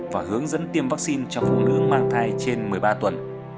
và hướng dẫn tiêm vắc xin cho phụ nữ mang thai trên một mươi ba tuần